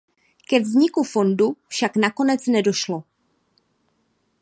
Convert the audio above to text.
Ke vzniku fondu však nakonec nedošlo.